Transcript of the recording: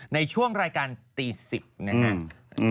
ในช่วงรายการตี๑๐นะครับ